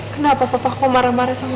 kenapa papa aku marah marah sama kamu